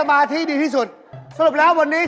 เฮ่ยเฮ่ยเฮ่ยเฮ่ยเฮ่ยเฮ่ย